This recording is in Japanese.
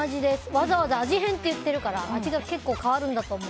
わざわざ味変って言ってるから味が結構、変わるんだと思う。